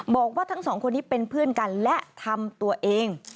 บอกว่าทั้งสองคนนี้เป็นเพื่อนกันและทำตัวเอง